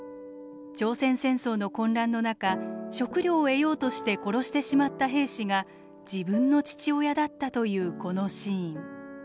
朝鮮戦争の混乱の中食料を得ようとして殺してしまった兵士が自分の父親だったというこのシーン。